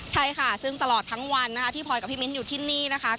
ใช่ค่ะซึ่งตลอดทั้งวันนะคะที่พลอยกับพี่มิ้นอยู่ที่นี่นะคะ